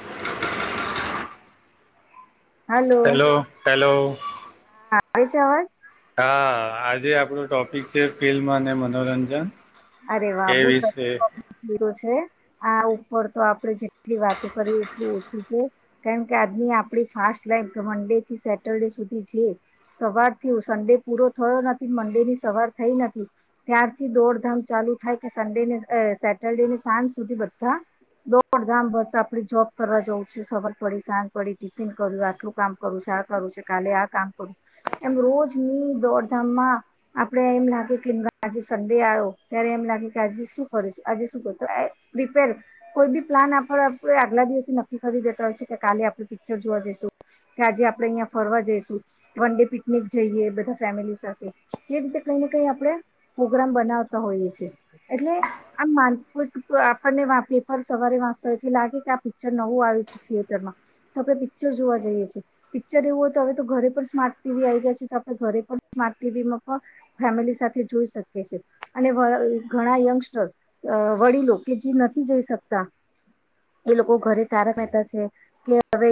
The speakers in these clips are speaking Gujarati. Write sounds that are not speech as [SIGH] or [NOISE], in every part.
હલો. હેલો હેલો હા આવે છે અવાજ? હા આજે આપણું ટોપિક છે ફિલ્મ અને મનોરંજન અરે એ વાબુ વિશે છે આ ઉપર તો આપડે જેટલી વાતો કરી [INAUDIBLE] કારણ કે આજની આપ ફાસ્ટ લાઈ મંડે થી સેટરડે સુધી જ સવાર થી ઉસ મે પૂરો થયો નથી મંડે ની સવાર થઈ નથી ત્યારથી દોડધામ ચાલુ થાય કે સન્ડે ને સેટરડે ને સાંજ સુધી બધા દોડધામ બસ આપડે જોબ કરવા જવું છે સર પડી સાજ પડી ટિફિન કરું આટલું કામ કરું છ. કાલે કામ કર એમ રોજની દોડધામમાં આપણે એમ લાગે [UNINTELLIGIBLE] શરદી આયો. ત્યારે એમ લાગે કે આજે શું કરું છું આજે શું કરું આ રિપેર કોઈ બી પ્લાન આપ આગલા નક્કી કરી દેતા હોય છે કે કા આપું પિક્ચર જોવા જઈશું. કે આજે આપડે અહિયાં ફરવા જઈશું વન ડે પિકનિક જઈએ બધા ફેમિલી સાથે એ રીતે કઈ આપે પ્રોગ્રામ બનાવતા હો એટલે આમ આપને પેફર સવારે વાચતાથી લાગે આ પિક્ચર નવું આવ્યું છે થિયેટરમાં. તો આપણે પિક્ચર જોવા જઈએ છીએ પિક્ચર એવું હોય તો હવે તો ઘરે પણ સ્માર્ટ ટીવી આવી ગયા છે તો આપણે ઘરે પણ ટીવી પણ ફેમિલી સાથે જોઈ શકે છે. અને ઘણા યંગસ્ટર વડીલો કે જે નથી જઈ શકતા. એ લોકો ઘરે તારા પહેતા છે કે હવે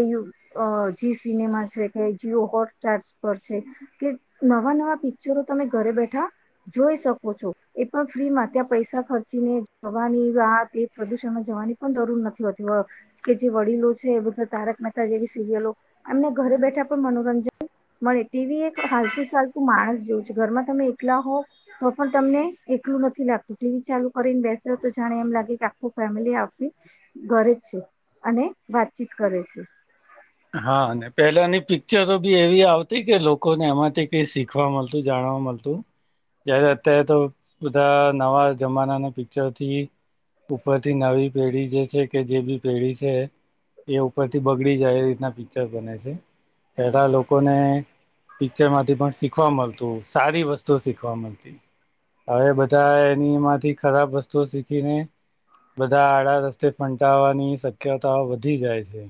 જે સિનેમા છે કે ટાર પર છે કે નવા નવા પિક્ચરો તમે ઘરે બેઠા જોઈ શકો. ઓછો એ પણ ફ્રી માં ત્યાં પૈસા ખર્ચી ને જવાની વાત એ પ્રદુષણમાં જવાની પણ જરૂર કે જે વડીલો છે બધ તારક મહેતા જેવી સિરિલો એમને ઘરે બેઠા પણ મ મળ ટીવી એક હાલતું ચાલતું માણસ જેવું છે ઘરમાં તમે એકલા હો તો પણ તમને એલું નથી લાગતું ટીવી ચાલુ કરીને બેસે તો જાણે એમ લાગે કે આખું ફેમિલી આપવી ઘે છે અને વાતચીત કરે છે. હા પેલાની પિક્ચરો બી એવી આવતી કે લોકોને એમાંથી કઈ શીખવા મળતું જાણ જારે અત્યારે તો બધા નવા જમાનાના પિક્ચરથી ઉપરથી નવી પેઢી જે છે કે જે બી પેઢી છે એ ઉપરથી બગડી જાય. ના પિક્ચર બને છે પેલા લોકોને પિક્ચરમાંથી પણ શીખવા મળતું સારી વસ્તુ શીખવા મળતી. હવે બધા એનીમાંથી ખરાબ વસ્તુ શીખીને બધા આડા રસ્તે ફંટાવાની શક્યતા વધી જાય છે.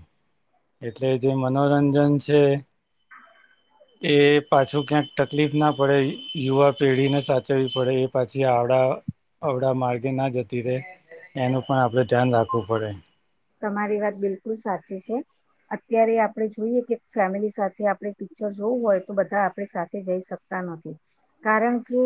એટલે જે મનોરંજન છે એ પાછું ક્યાંક તકલીફ ના પડે યુવા પેઢી ને સાચવવી પડે એ પાછી આવડા અડા માર્ગે ના જતી રે એનું પણ આપડે તમારી વાત બિલકુલ સાચી છે. અત્યારે આપડે જોઈએ કે ફેમિલી સાથે આપડ પિક્ચર જોવું હોય તો બધા આપડે સાથે જઈ શકતા નથી કારણ કે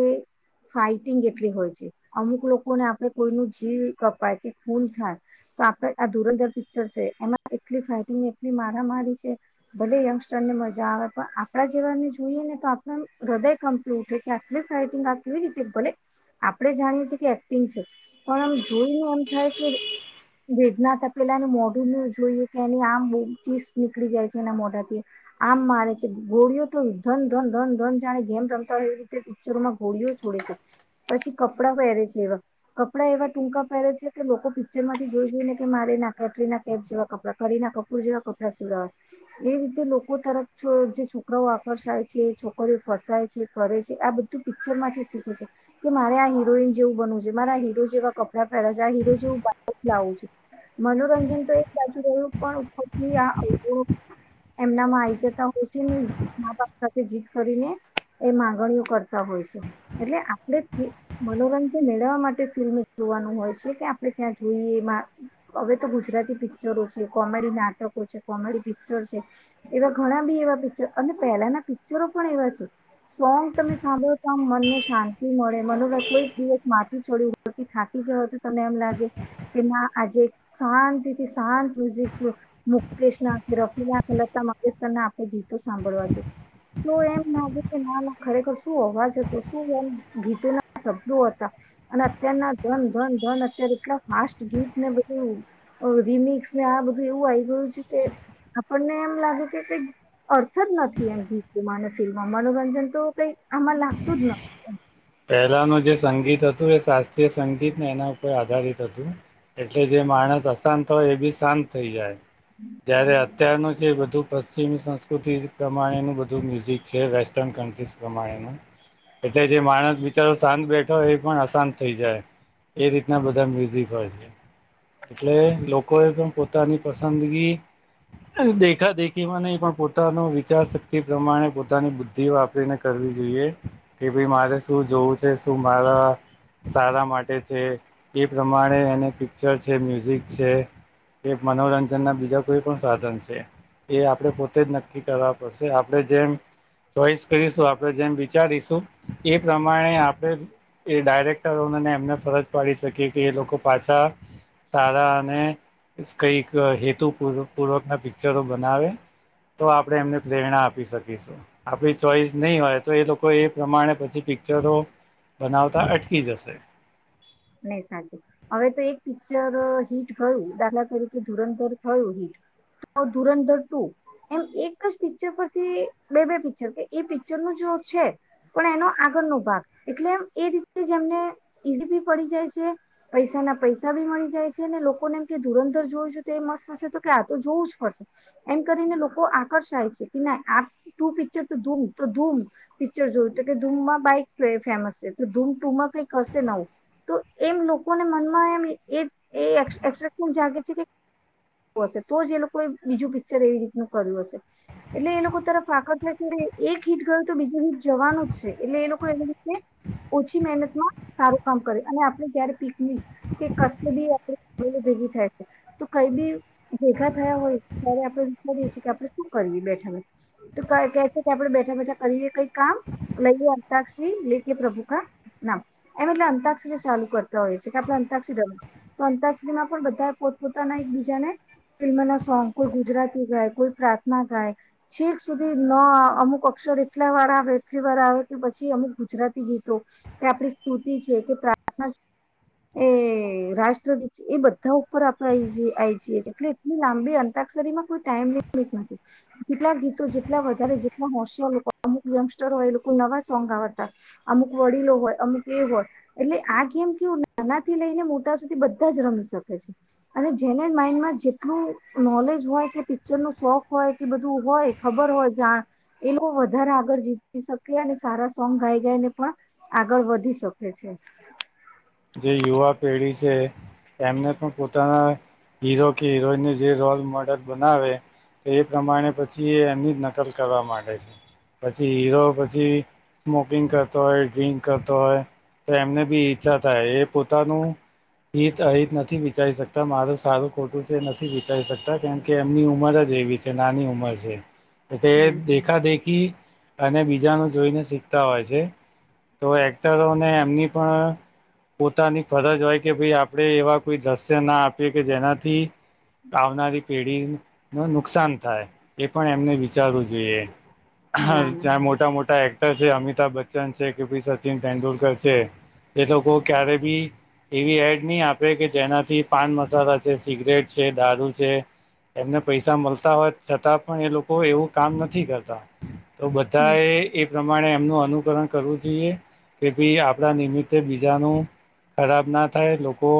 ફાઈટિંગ એટલી હોય છે અમુક લોકોને આપણે કોઈ ન જીવ કપાય કે ખૂન થાય તો આપડ આ ધુરંધર પિક્ચર છે એમાં એટલી ફાઈટિંગ એટલી મારામારી છે ભલે એમ. મજા આવે પણ આપણા જેવાને જોઈએ ને તો આપણે આમ હૃદય કમ્પ્લી ઉેઠે કે આટલી સાયટિંગ [UNINTELLIGIBLE] કેવી રીતે ભલે આપણેે જાણીએ છે કે એક્ટિંગ છે, પણ આમ જોઈને એમ થાય કે હ વેદનાથ પેલા એને મોઢુંને જોઈએ કે એની આમ ચીસ નીકળી જાય છે એના મોઢાથી આમ મારે છે ઘોળીઓ તો ધન ધન ધન ધન જાણે ગેમ રમતા હોય એવી રીતે પિક્ચરોમાં ઘોળીઓ છોડે પછી કપડાં પહેરે છે એવા કપડા એવા ટૂંકા પહેરે છે કે લોકો પિક્ચર માંથી જોઈ જોયઈ ને કે મારે ના કેટરી ના કેપ જેવા કપડા ખરી ના કપૂર જેવા કપડાં સીવડાવા એ લોકો તરક જે છોકરાઓ આકર્ષાય છે છોકરીઓ ફસાય છે કરે છે આ બધું પિક્ચર માંથીખે છે કે મારે આ હીરોઈન જેવું બનવું છે, મારા હીરો જેવા કપડા પહેરા છે, આ હીરો જેવું લાવુ છે, મનોરંજન તો એક સાચું રહ્યું પણ ઉપરથી આ લોભો એમનામાં આવી જતા હોય છે, ને મા બાપ સાથે જીત કરીને એ મામાંગણીઓ કરતા હોય છે એટલે આપણે મનોરંજન મેળવવા માટે ફિલ્મ જોવાનું હોય છે કે આપણે ત્યાં જોઈએ એમાં હવે તો ગુજરાતી પિક્ચરો છે, કોમેડી નાટકો છે, કોમેડી પિક્ચર છે. એવા ઘણા બી એવા પિક્ચર અને પહેલાના પિક્ચરો પણ એવા છે. સોંગ તમે સાંભળો તો આમ મનને શાંતિ મળે મનોભર કોઈક દિવસ માથી છોડી ઉપરથી થાકી ગયોય તો તમને એમ લાગે કે ના આજે શાંતિ થી શાંત મ્યુઝિક મુકેશ ના રફિના લતા મંગેશકરના આપણે ગીતો સાંભળવા છે. તો એમ લાગે કે ના ખરેખર શું અવાજ હતો શું ગીતો ના શબ્દો હતા. અને અત્યારના ધન ધન ધન અત્યારે એટલા ફાસ્ટ ગીત ને બધું રીમિકસ ને આ બધું એવું આવી ગયું છે કે આપણને લાગે કે કાઇક અર્થ જ નથી એમ ગીતોમાં અને ફિલ્મમાં મનોરંજન તો કઈ આમાં લાગતું જ નથી. પહેલાનું જે સંગીત હતું એ શાસ્ત્રીય સંગીત ને એના ઉપર આધારિત હતું. એટલે જે માણસ અશાંત હોય એ બી શાંત થઈ જાય જયારે અત્યારનું જે એ બધું પશ્ચિમી સંસ્કૃતિ પ્રમાણેનું બધું મ્યુઝિક છે, વેસ્ટર્ન કન્ટ્રીસ પ્રમાણેનું એટલે જે માણસ બિચારો શાંત બેઠો એ પણ અશાંત થઈ જાય એ રીતના બધા મ્યુઝિક હોય છે. એટલે લોકો એ પણ પોતાની પસંદગી દેખા દેખીમાં નહી પણ પોતાનો વિચાર શક્તિ પ્રમાણે પોતાની બુદ્ધિ વાપરીને કર વી જોઈએ કે ભાઈ મહારે શું જોવું છે શું મારા સારા માટે છે એ પ્રમાણે એને પિક્ચર છે, મ્યુઝિક છે, કે મનોરંજન ના બીજા કોઈ પણ સાધન છે. એ આપણેે પોતે જ નક્કી કરવા પડશે આપડે જેમ ચોઈસ કરીશું આપડે જેમ વિચારીશું. એ પ્રમાણે આપણે એ ડાયરેક્ટરોનેને એમને ફરજ પાડી શકીએ કે એ લોકો પાછા સારા અને કઈક હેતુ પૂર્વ પૂર્વક ના પિક્ચરો બનાવે તો આપડણે એમને પ્રેરણા આપી શકીશું આપડી ચોઈસ નહી હોય તો એ લોકો એ પ્રમાણે પિક્ચરો બનાવતા અટકી જશે. નહી સાચું હવે તો એક પિક્ચર હિટ થયું દાખલા તરીકે ધુરંધર થયું હિટ ધુરંધર ટુ એમ એક જ પિક્ચર પરથી બે બે પિક્ચર કે એ પિક્ચરનું જ છે પણ એનો આગળનો ભાગ એટલે આમ એ રીતેની જ એમને પડી જાય છે પૈસા ના પૈસા ભી મળી જાય છે ને લોકો ને એમ કે ધુરંધર જોવું છું તો એ મસ્ત થશે તો આ તો જોવું જ પડશે એમ કરીને લોકો આકર્ષાય છે કે ના આ ટુ પિક્ચર ટ ધૂમ ધૂમ પિક્ચર જોયું તો કે ધૂમ માં બાઈક તો ફેમસ છે તો ધૂમ ટુંમાં કઈ હશે નવુ તો એમ લોકોને મનમાં એમ એ એ એસ્ટક્શન જાગે છે કે હશે તો જ એ લોકોએ બીજું પિક્ચર એવી રીતનું કર્યું હશે એટલે એ લોકો તરફ આકષત છે કે એક હીટ ગયું તો બીજું હીટ જવાનું જ છે એટલે એ લોકો એની રીતે ઓછી મહેનત માં સારું કામ કર અને આપડે જયારે પીક ન કે કશું બી આપ ભેગી થાય છે તો કઈ બી ભેગા થયા હોય ત્યારે આપડણે વિચારીએ છીએ કે આપડે શું કરવી બેઠા તો કે છે કે આપડે બેઠા બેઠા કરીએ કઈ કામ લઈએ અતાક્ષરી લે કે પ્રભુ કા નામ એમ એટલે અંતાક્ષરી ચાલુ કરતા હોયએ છેએ કે આપણે અંતાક્ષરીમાં તો અતાક્ષરીમાં પણ બધા પોતપોતાના જ ને ફિલ્મ ના સોંગ કોઈ ગુજરાતી ગાય કોઈ પ્રાર્થના ગાય છેક સુધી ન અમુક અક્ષ એટલા વાર આવે એટલી વાર આવે કે પછી અમુક ગુજરાતી ગીતો કે આપડી સ્તુતિ છે કે પ્રાર્થના એ રાષ્ટ્રદીત એ બધા ઉપર આપએ છીએ એટલે એટલી લાંબી અંતર જેટલા ગીતો જે વધ જેલા હોશિય હોય એ લોકો નવા સોંગ આવતા હતા અમુક વડીલો હોય અમુક એ હોય એટલે આ ગેમ કેવું નાનાથી લઈને મોટા સુધી બધા જ રમી શકે છે અને એને માઈન્ડમાં જેટલું નોલેજ હોય કે પિક્ચર ન શોખ હોય કે બધું હોય ખબર હોય એ લોકો વધારે આગળ જીતી શકે અને સારા સોંગ ગાઈ ગાયને પણ આગળ વધી સકે છે જે યુવા પેઢી છે એમને પણ પોતાના હીરો કે હીરોઈનને જે રોલ મોડલ બનાવે તો એ પ્રમાણે પછી એ એમની જ નકલ કરવા માંડે છે પછી હીરો પછી સ્મોકિંગ કરતો હોય ડ્રિંક કરતો હોય તો એમને બી ઈચ્છા થાય એ પોતાનું હિત અહિત નથી વિચારી શકતા મારું સારું ખોટું છે નથી વિચારી શકતા કેમ કે એમની ઉંમર જ જેવી છે નાની ઉંમર છે તો તે હમ દેખા દેખી અને બીજાનું જોઈને શીખતા હોય છે તો એક્ટરોને એમની પણ પોતાની ફરજ હોય કે ભાઈ આપણે એવા કોઈ દ્રશ્ય ના આપીએ કે જેનાથી આવનારી પેઢી ન નુકસાન થાય એ પણ એમને વિચારવું જોઈએ હ ના ના જ્યાં મોટા મોટા છે અમિતાભ બચ્ચન છે કે ભી સચિન તેંડુલકર છે એ લોકો ક્યારે બી એવી એડ નહી આપે કે જેનાથી પાન મસાલા છે સિગરેટ છે દારૂ છે એમને પૈસા મળતા હોય છતાં પણ એ લોકો એવું કામ નથી કરતા તો હમ બધા એ એ પ્રમાણે એમનું અનુકરણ કરવું જોઈએ કે ભાઈ આપડા નિમિત્તે બીજ જ ન ખરાબ ના થાય લોકો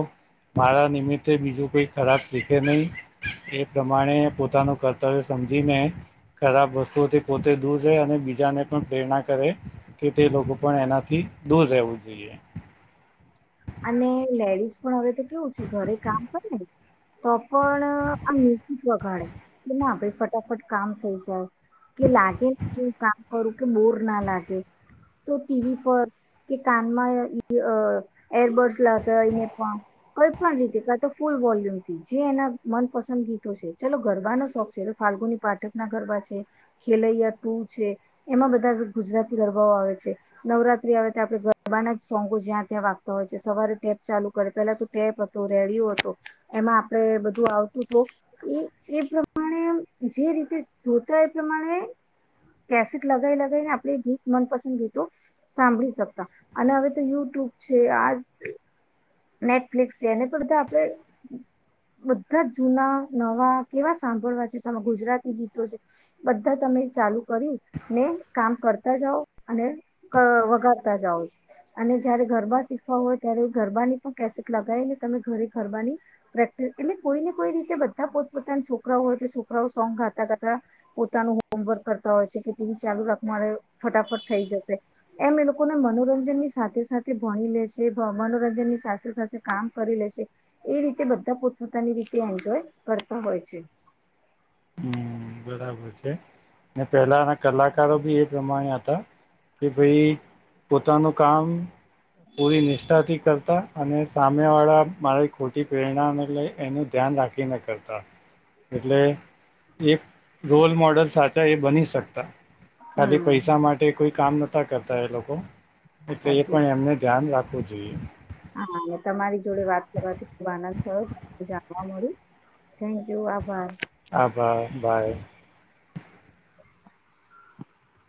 મારા નિમિત્તે બીજું કોઈ ખરાબ શીખે નહીિ એ પ્રમાણે પોતાનું કર્તવ્ય હાજી મેં ખરાબ વસ્તુઓથી પોતે દૂર રહે અને બીજાને પણ પ્રેરણા કરે કે તે લોકો પણ એનાથી દૂર રહેવું જોઈએ અને લેડીઝ પણ હવે તો કેવું છે ઘરે કામ કરે ને તો પણ આમ જીિક વગાડે કે ના ભાઈ ફટાફટ કામ થઈ જાય કે લાગે કે કામ કરું કે બોર ના લાગે તો ટીવી પર કે કાનમાં એરબર્ડસ લાગને પણ કોઈ પણ રીતિકતો ફૂલ વોલ્યુમથી જે એના મનપસંદ ગીતો છે ચલો ગરબાનોો શોખ છે ફાલ્ગુની પાઠક ના ગરબા છે ખેલૈયા ટુ છે એમાં બધા જ ગુજરાતી ગરબાઓ આવે છે નવરાત્રી આવે તો આપડે ગરબાના જ સોંગો જ્યાં ત્યાં વા હોય છે સવારે ટેપ ચાલુ કરે પેલા તો ટેપ હતો રેડિયો હતો એમાં આપડે બધું આવતું એ એ પ્રમાણે જે રીતે જોતા એ પ્રમાણે કેસેટ લગાવી લગીને આપડ ગીત મનપસંદ ગીતો સાંભળી શકતા અને હવે તો યુટ્યુબ છે આ નેટફ્લિકસ છે એને પણ બધા આપડે બધા જૂના નવા કેવા સાંભળવા છે ત ગુજરાતી ગીતો છે બધા તને ચાલુ કરી ને કામ કરતા જાવ અને વગાડતા જાઓ. અને જયારે ગરબા શીખવા હોય ત્યારે ગરબાની પણ કેસેટ લગાવ ને તમે ઘરે ગરબાની પ્રેક્ટિસ એટલે કોઈને કોઈ રીતે બધા પોત પોતાના છોકરાઓ હોય તો છોકરાઓ સોંગ ગાતા ગાતા પોતાનું હોમવર્ક કરતા હોય છે. કે ટીવી ચાલુ રાખ ફટાફટ થઈ જશે એમ એ લોકોને મનોરંજન ની સાથે સાથે ભણી લે છે મનોરંજન ની સાસ સાથે કામ કરી લે છે એ રીતે બધા પોતપોતાની રી એન્જોય કરતા હોય છે. હમ બબર છે પેલાના કલાકારો બી એ પ્રમાણે હતા. કે ભાઈ પોતાનું કામ પૂરી નિષ્ઠાથી કરતા અને સામે વાળા મારી ખોટી પ્રેરણાને લઈ એનું ધ્યાન રાખી ના કરતા એટલે એ રોલ મોડલ સાચા એ બની શકતા ખાલી હમ પૈસા માટે કોઈ કામ નતા કરતા એ લોકો હા, એટલે એ સાચી વાત. પણ એમને ધ્યાન રાખવું જોઈએ. હા તમારી જોડે વાત કરવાથી ખુબ આનંદ થયો જાણવા મળ્યું. થેન્ક યુ આભાઈ. હાભ બાય.